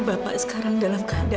bapak sekarang dalam keadaan